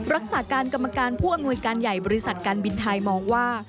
รักษาการกรรมการผู้อำนวยการใหญ่บริษัทการบินไทยมองว่า